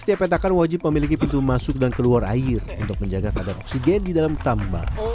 setiap petakan wajib memiliki pintu masuk dan keluar air untuk menjaga kadar oksigen di dalam tambang